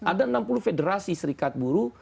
ada enam puluh federasi serikat buruh